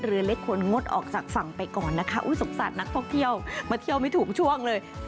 เรือเล็กควรงดออกจากฝั่งไปก่อนนะคะสงสารนักท่องเที่ยวมาเที่ยวไม่ถูกช่วงเลย